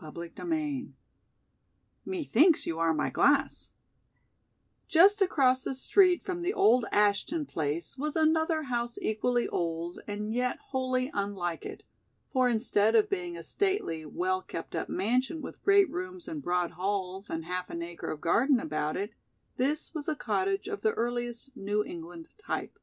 CHAPTER II "METHINKS YOU ARE MY GLASS" Just across the street from the old Ashton place was another house equally old and yet wholly unlike it, for instead of being a stately, well kept up mansion with great rooms and broad halls and half an acre of garden about it, this was a cottage of the earliest New England type.